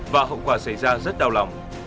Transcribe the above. và hậu quả xảy ra rất đau lòng